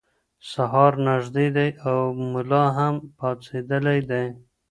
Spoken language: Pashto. سهار نږدې دی او ملا هم پاڅېدلی دی.